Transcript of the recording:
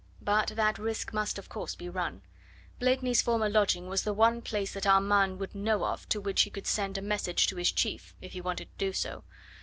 But that risk must, of course, be run. Blakeney's former lodging was the one place that Armand would know of to which he could send a message to his chief, if he wanted to do so.